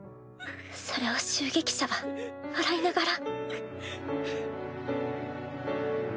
それを襲撃者は笑いながら。